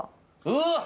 うわっ！